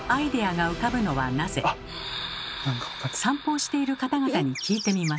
散歩をしている方々に聞いてみました。